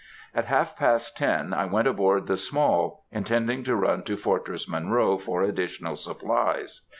At half past ten, I went aboard the Small, intending to run to Fortress Monroe for additional supplies.